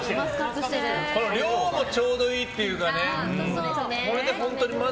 この量もちょうどいいというかね。